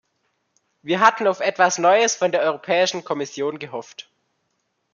Wir hatten auf etwas Neues von der Europäischen Kommission gehofft.